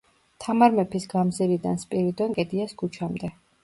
თამარ მეფის გამზირიდან სპირიდონ კედიას ქუჩამდე.